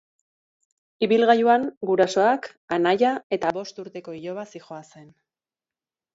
Ibilgailuan gurasoak, anaia eta bost urteko iloba zihoazen.